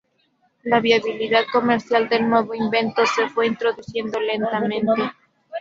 La viabilidad comercial del nuevo invento se fue introduciendo lentamente.